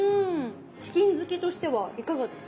チキン好きとしてはいかがですか？